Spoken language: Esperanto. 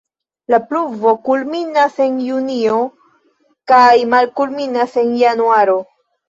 La pluvo kulminas en junio kaj malkulminas en januaro.